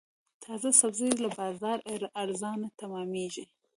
تازه سبزي له بازاره ارزانه تمامېږي.